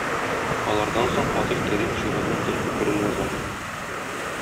Алардан соң Фатих Кәрим шигырьнең төп фикерен яза